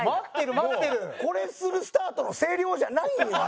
これするスタートの声量じゃないんよ